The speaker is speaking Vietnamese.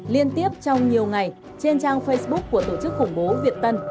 liên tiếp trong nhiều ngày trên trang facebook của tổ chức khủng bố việt tân